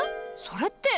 それって。